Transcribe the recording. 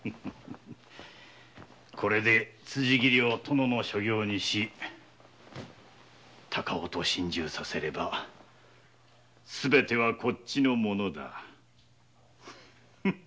これで辻斬りを殿の所業にし高尾と心中させればすべてはこっちのものだ。